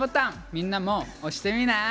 みんなも押してみない？